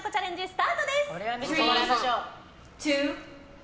スタートです！